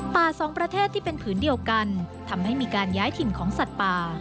สองประเทศที่เป็นผืนเดียวกันทำให้มีการย้ายถิ่นของสัตว์ป่า